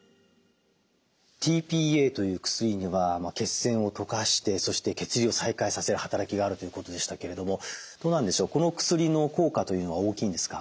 ｔ−ＰＡという薬には血栓を溶かしてそして血流を再開させる働きがあるということでしたけれどもどうなんでしょうこの薬の効果というのは大きいんですか？